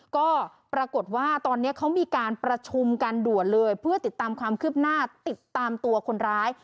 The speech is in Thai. ก็ปรากฏว่าตอนนี้เขามีการประชุมกันด่วนเลยเพื่อติดตามความคืบหน้าติดตามตัวคนร้าย